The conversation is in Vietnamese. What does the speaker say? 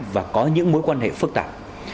và có những mối quan hệ phức tạp